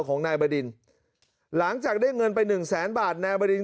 ของนายบดินหลังจากได้เงินไปหนึ่งแสนบาทนายบดิน